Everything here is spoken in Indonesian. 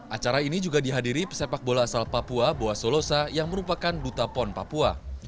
acara ini juga dihadiri pesepak bola asal papua boa solosa yang merupakan duta pon papua